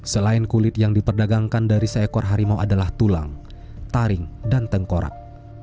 selain kulit yang diperdagangkan dari seekor harimau adalah tulang taring dan tengkorak